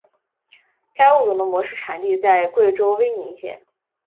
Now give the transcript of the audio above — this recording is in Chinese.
该物种的模式产地在贵州威宁县。